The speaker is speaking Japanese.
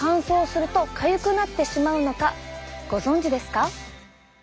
ご存じですか？